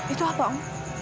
itu apa om